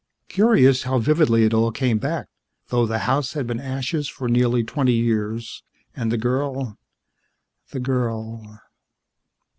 Curious how vividly it all came back, though the house had been ashes for nearly twenty years, and the girl the girl